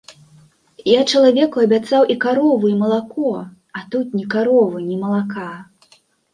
Я чалавеку абяцаў і карову, і малако, а тут ні каровы, ні малака.